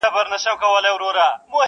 د تعویذ اغېز تر لنډي زمانې وي-